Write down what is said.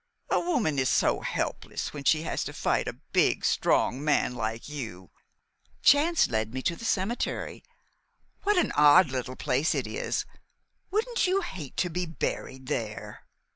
A woman is so helpless when she has to fight a big, strong man like you. Chance led me to the cemetery. What an odd little place it is? Wouldn't you hate to be buried there?"